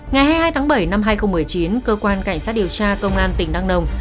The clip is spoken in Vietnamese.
ngày hai mươi hai tháng bảy năm hai nghìn một mươi chín cơ quan cảnh sát điều tra công an tỉnh đăng nông